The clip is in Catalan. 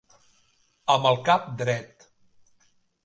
Amb el cap dret.